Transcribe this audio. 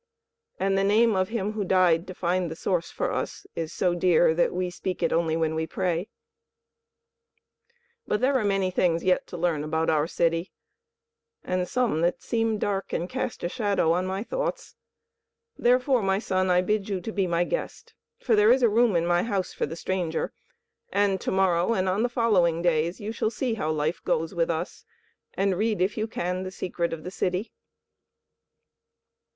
And the name of him who died to find the Source for us is so dear that we speak it only when we pray. "But there are many things yet to learn about our city, and some that seem dark and cast a shadow on my thoughts. Therefore, my son, I bid you to be my guest, for there is a room in my house for the stranger; and to morrow and on the following days you shall see how life goes with us, and read, if you can, the secret of the city."